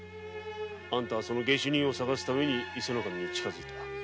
あんたは下手人を捜すため伊勢守に近づいた。